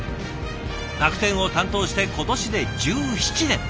楽天を担当して今年で１７年。